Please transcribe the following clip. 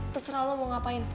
terserah lo mau ngapain